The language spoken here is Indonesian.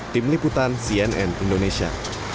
tim liputan cnn indonesia